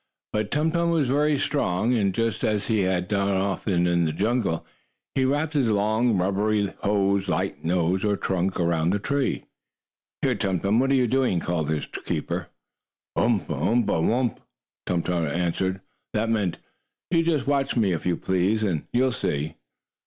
But Tum Tum was very strong, and, just as he had often done in the jungle, he wrapped his long, rubbery hose like nose, or trunk, around the tree. "Here, Tum Tum, what are you doing?" called his keeper. "Umph! Umph! Wumph!" Tum Tum answered. That meant: "You just watch me, if you please, and you'll see."